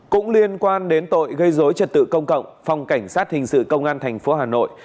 cũng liên quan đến tội gây dối trật tự công cộng phòng cảnh sát thình sự công an tp hà nội